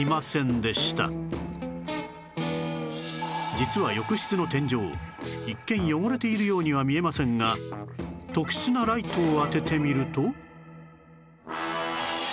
実は浴室の天井一見汚れているようには見えませんが特殊なライトを当ててみると